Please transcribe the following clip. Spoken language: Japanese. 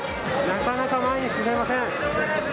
なかなか前に進めません。